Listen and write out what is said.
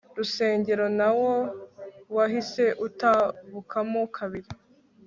rusengero na wo wahise utabukamo kabiri